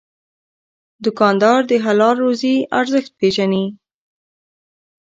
دوکاندار د حلال روزي ارزښت پېژني.